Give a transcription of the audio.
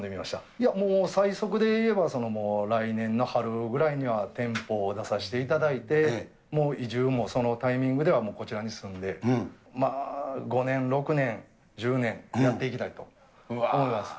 いや、もう、最速でいえば、来年の春ぐらいには店舗を出させていただいて、もう移住もそのタイミングではこちらに住んで、５年、６年、１０年、やっていきたいと思います。